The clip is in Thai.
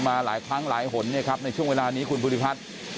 มาหลายครั้งหลายหล่นนี่ครับช่วงเวลานี้คุณบุริพัทร